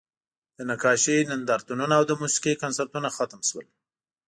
د نقاشۍ نندارتونونه او د موسیقۍ کنسرتونه ختم شول